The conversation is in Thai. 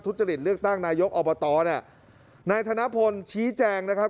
จริตเลือกตั้งนายกอบตเนี่ยนายธนพลชี้แจงนะครับ